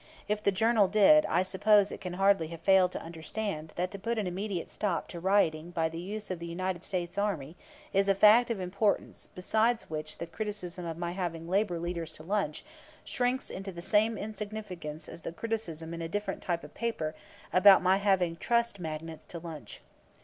If the Journal did, I suppose it can hardly have failed to understand that to put an immediate stop to rioting by the use of the United States army is a fact of importance beside which the criticism of my having 'labor leaders' to lunch, shrinks into the same insignificance as the criticism in a different type of paper about my having 'trust magnates' to lunch.